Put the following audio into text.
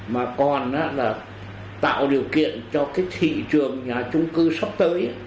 mà còn là tạo điều kiện cho cái thị trường nhà trung cư sắp tới